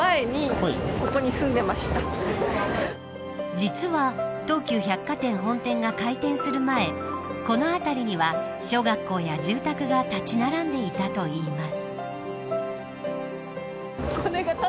実は東急百貨店本店が開店する前この辺りには小学校や住宅が立ち並んでいたといいます。